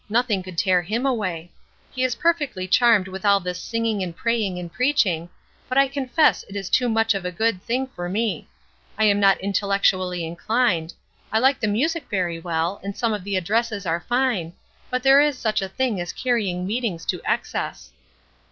Nothing could tear him away. He is perfectly charmed with all this singing and praying and preaching, but I confess it is too much of a good thing for me. I am not intellectually inclined, I like the music very well, and some of the addresses are fine; but there is such a thing as carrying meetings to excess."